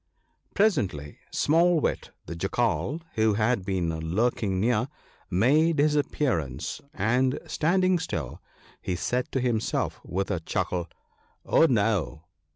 " Presently Small wit, the Jackal, who had been lurking near, made his appearance, and standing still, he said to himself, with a chuckle, " O ho